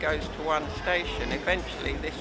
kalau di su ini bisa diberikan ke satu stasiun